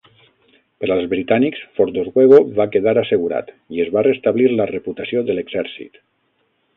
Per als britànics, Fort Oswego va quedar assegurat i es va restablir la reputació de l'exèrcit.